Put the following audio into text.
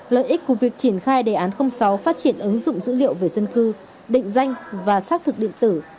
lợi ích của việc triển khai đề án sáu phát triển ứng dụng dữ liệu về dân cư định danh và xác thực điện tử